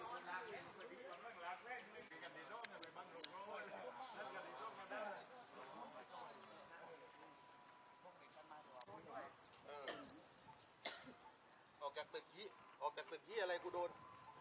ออกแกะตึกออกแกะตึกอะไรกูโดน